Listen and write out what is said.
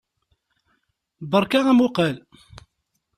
Beṛka amuqqel!